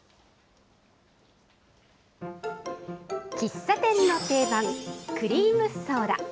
喫茶店の定番、クリームソーダ。